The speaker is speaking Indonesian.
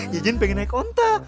ya jin pengen naik ontak